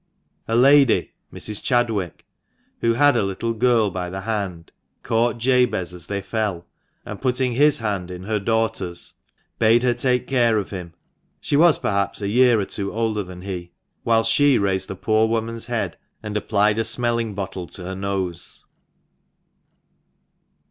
A lady (Mrs. Chadwick), who had a little girl by the hand, caught Jabez as they fell, and putting his hand in her daughter's, bade her take care of him — she was perhaps a year or two older than he — whilst she raised the poor young woman's head, and applied a smelling bottle to her nose.